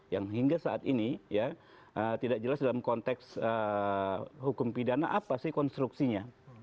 yang hingga saat ini ya tidak jelas dalam konteks hukum pidana apa sih konstruksinya